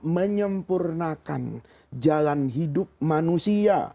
menyempurnakan jalan hidup manusia